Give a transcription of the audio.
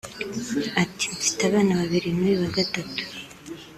Ati″Mfite abana babiri n’uyu wa gatatu